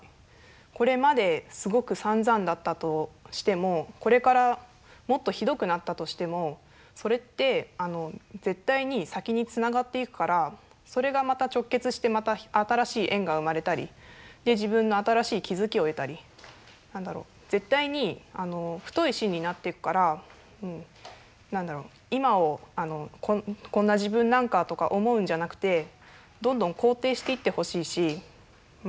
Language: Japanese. これまですごくさんざんだったとしてもこれからもっとひどくなったとしてもそれって絶対に先につながっていくからそれがまた直結してまた新しい縁が生まれたりで自分の新しい気付きを得たり絶対に太い芯になっていくから今をこんな自分なんかとか思うんじゃなくてどんどん肯定していってほしいしま